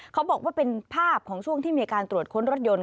เขาบอกว่าเป็นภาพของช่วงที่มีการตรวจค้นรถยนต์